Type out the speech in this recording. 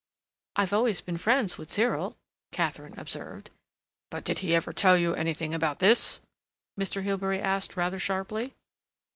"I've always been friends with Cyril," Katharine observed. "But did he ever tell you anything about this?" Mr. Hilbery asked rather sharply.